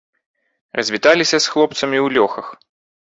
Развіталіся з хлопцамі ў лёхах.